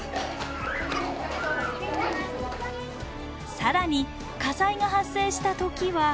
更に火災が発生した時は。